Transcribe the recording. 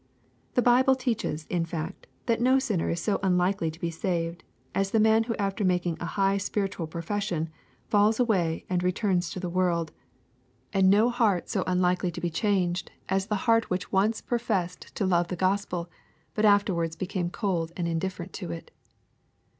The Bible teaches, in fa t, that no sinner is so unlikely to be saved as the man who after making a high spiritual profession, falls away and returns to the world, and no heart so unlikely to be changed LCKEj CHAP. XV. 178 as t je heart which once professed to love the Q ospel, b t after wards became cold and indifferent to it.